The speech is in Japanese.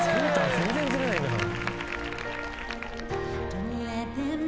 全然ズレないんだから・